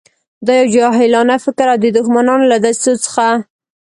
دا یو جاهلانه فکر او د دښمنانو له دسیسو څخه.